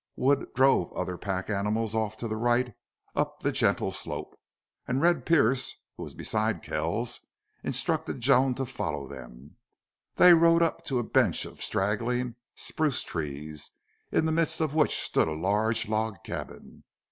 Wood drove other pack animals off to the right, up the gentle slope. And Red Pearce, who was beside Kells, instructed Joan to follow them. They rode up to a bench of straggling spruce trees, in the midst of which stood a large log cabin.